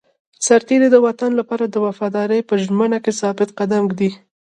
سرتېری د وطن لپاره د وفادارۍ په ژمنه کې ثابت قدم دی.